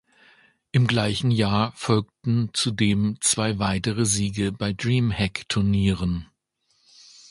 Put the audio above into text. Im gleichen Jahr folgten zudem zwei weitere Siege bei Dreamhack Turnieren.